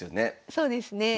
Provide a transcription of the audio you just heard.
そうですね。